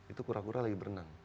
itu kura kura lagi berenang